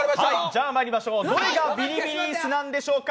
誰がビリビリ椅子なんでしょうか。